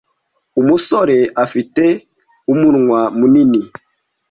umusore afite umunwa munini.